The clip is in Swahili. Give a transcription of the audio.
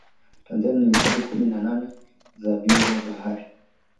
tanzania ina hifadhi kumi na nane za viumbe bahari